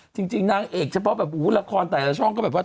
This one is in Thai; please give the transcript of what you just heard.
จริงนางเอกเฉพาะแบบละครแต่ละช่องก็แบบว่า